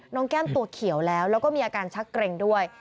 แก้มตัวเขียวแล้วแล้วก็มีอาการชักเกร็งด้วย